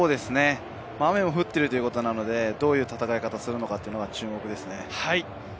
雨も降っているということなので、どういう戦いをするのか注目です。